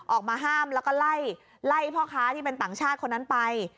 ออกมาห้ามแล้วก็ไล่พ่อค้าที่เป็นต่างชาติคนนั้นไป